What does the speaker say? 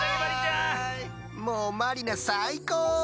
もうまりなさいこう！